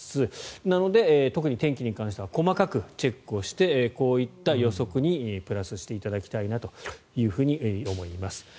なので、特に天気に関しては細かくチェックをしてこういった予測にプラスしていただきたいと思います。